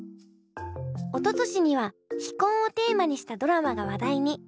おととしには「非婚」をテーマにしたドラマが話題に。